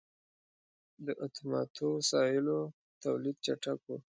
• د اتوماتو وسایلو تولید چټک و.